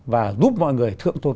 và giúp mọi người thượng tôn